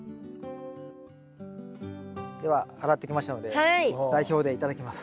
では洗ってきましたので代表で頂きます。